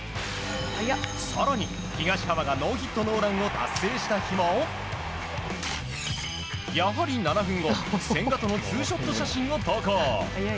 更に東浜がノーヒットノーランを達成した日もやはり７分後、千賀とのツーショット写真を投稿。